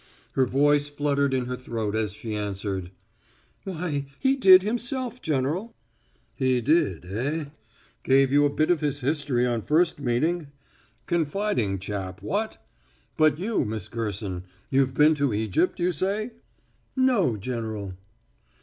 Her voice fluttered in her throat as she answered: "Why, he did himself, General." "He did, eh? Gave you a bit of his history on first meeting. Confiding chap, what! But you, Miss Gerson you've been to Egypt, you say?" "No, General."